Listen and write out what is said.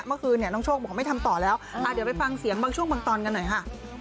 เมื่อคืนเนี่ยน้องโชคบอกเขาไม่ทำต่อแล้วเดี๋ยวไปฟังเสียงบางช่วงบางตอนกันหน่อยค่ะ